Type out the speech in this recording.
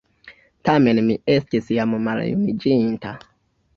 Tamen mi estis jam maljuniĝinta.